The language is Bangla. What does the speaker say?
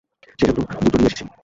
সেজন্য দুটো নিয়ে এসেছি।